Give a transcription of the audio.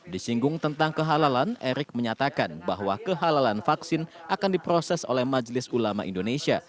disinggung tentang kehalalan erick menyatakan bahwa kehalalan vaksin akan diproses oleh majelis ulama indonesia